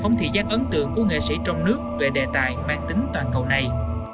tổng thị giác ấn tượng của nghệ sĩ trong nước về đề tài mang tính toàn cầu này